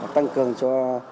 tăng cường cho